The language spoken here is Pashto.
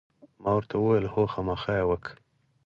ما ورته وویل: هو، خامخا یې وکړه.